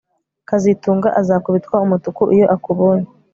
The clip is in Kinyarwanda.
kazitunga azakubitwa umutuku iyo akubonye